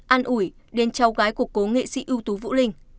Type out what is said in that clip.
an ủi đến cháu gái của cố nghệ sĩ ưu tú vũ linh